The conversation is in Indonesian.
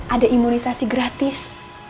ada imunisasi gratis